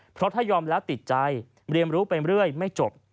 เพราะถ้ายอมแล้วติดใจเรียนรู้ไปเรื่อยไม่จบ